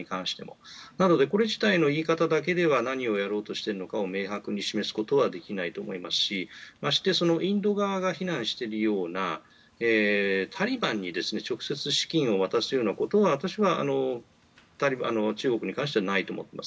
ですからこの言い方だけでは何をやろうしているか明確に示すことはできないですしまして、そのインド側が非難しているようなタリバンに直接資金を渡すようなことは私は中国に関してはないと思っています。